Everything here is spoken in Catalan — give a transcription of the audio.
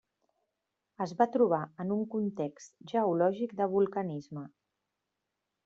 Es va trobar en un context geològic de vulcanisme.